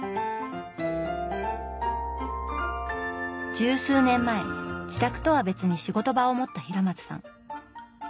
十数年前自宅とは別に仕事場を持った平松さん。